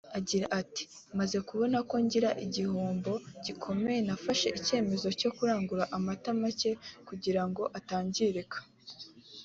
Agira ati “Maze kubona ko ngira igihombo gikomeye nafashe icyemezo cyo kurangura amata makeya kugira ngo atangirika